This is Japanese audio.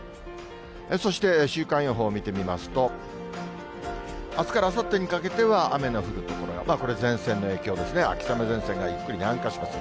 そして週間予報を見てみますと、あすからあさってにかけては雨の降る所が、これ前線の影響ですね、秋雨前線がゆっくり南下します。